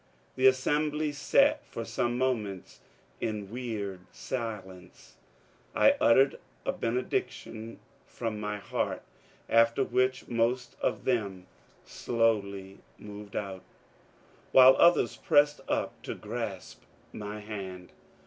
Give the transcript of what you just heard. The assembly sat for some moments in weird silence. I uttered a benediction from my heart, after which most of them slowly moved out, while others pressed up to grasp my hand.